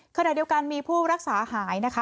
ขณะเดียวกันมีผู้รักษาหายนะคะ